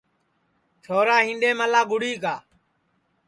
چھورا ہِینڈؔیملا گُڑی گا